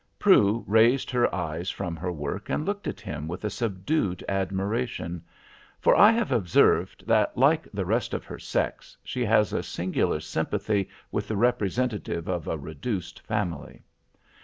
Prue raised her eyes from her work, and looked at him with a subdued admiration; for I have observed that, like the rest of her sex, she has a singular sympathy with the representative of a reduced family.